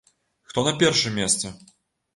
Хто на першым месцы?